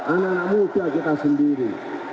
anak anak muda kita sendiri